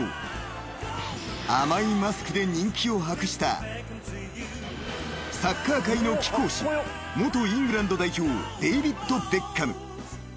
［甘いマスクで人気を博したサッカー界の貴公子元イングランド代表デイビット・ベッカム］